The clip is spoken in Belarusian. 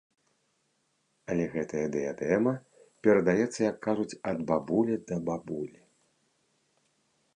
Але гэтая дыядэма перадаецца, як кажуць, ад бабулі да бабулі.